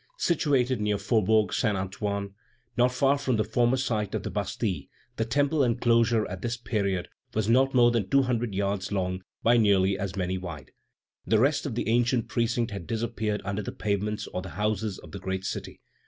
Situated near the Faubourg Saint Antoine, not far from the former site of the Bastille, the Temple enclosure at this period was not more than two hundred yards long by nearly as many wide. The rest of the ancient precinct had disappeared under the pavements or the houses of the great city.